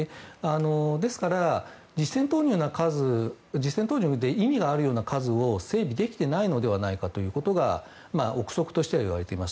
ですから、実戦投入で意味があるような数を整備できていないのではないかということが憶測としていわれています。